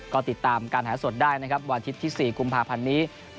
ก็ติดตามการถ่ายสดได้นะครับวันอาทิตย์ที่๔กุมภาพันธ์นี้